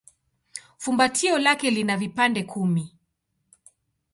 Fumbatio lake lina vipande kumi.